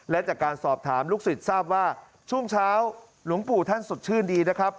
และจากการสอบถามลูกศิษย์ทราบว่าช่วงเช้าหลวงปู่ท่านสดชื่นดีนะครับ